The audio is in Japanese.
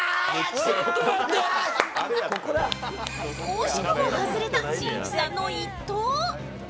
惜しくも外れたしんいちさんの一投。